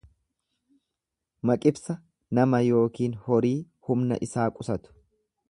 Maqibsa nama yookiin horii humna isaa qusatu.